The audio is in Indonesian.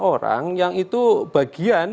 orang yang itu bagian